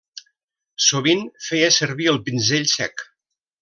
Sovint feia servir el pinzell sec.